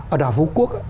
ở đảo vũ quốc